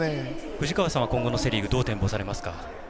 藤川さんは今後のセ・リーグどう展望されますか？